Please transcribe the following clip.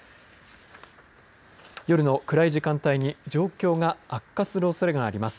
夜の暗い時間帯に状況が悪化するおそれがあります。